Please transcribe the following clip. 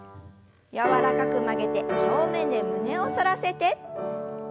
柔らかく曲げて正面で胸を反らせて。